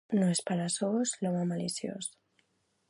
No és peresós l'home maliciós.